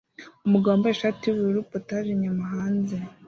Umugabo wambaye ishati yubururu POTAGEs inyama hanze